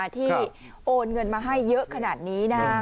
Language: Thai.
ที่โอนเงินมาให้เยอะขนาดนี้